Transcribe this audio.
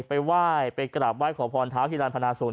ไปว่ายไปกราบว่ายขอพรท้าวฮิรัณภาษูงศ์